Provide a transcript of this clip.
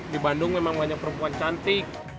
di bandung memang banyak perempuan cantik